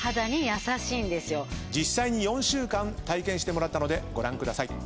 実際に４週間体験してもらったのでご覧ください。